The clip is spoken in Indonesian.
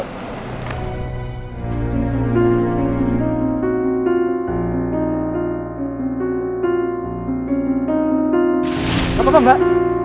gak apa apa mbak